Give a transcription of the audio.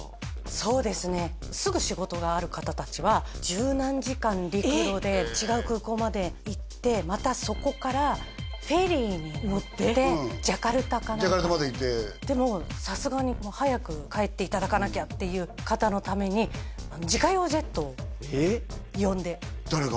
そうですねすぐ仕事がある方達は十何時間陸路で違う空港まで行ってまたそこからフェリーに乗ってジャカルタか何かのジャカルタまで行ってでもさすがに早く帰っていただかなきゃっていう方のために自家用ジェットを呼んで誰が？